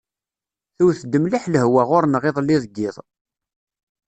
Tewt-d mliḥ lehwa ɣur-neɣ iḍelli deg yiḍ.